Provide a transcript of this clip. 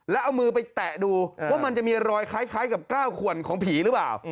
แล้วเอามือไปแตะดูว่ามันจะมีรอยคล้ายกับกล้าวขวนของผีหรือเปล่า